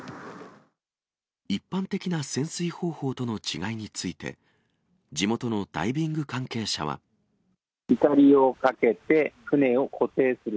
一般的な潜水方法との違いについて、いかりをかけて、船を固定する。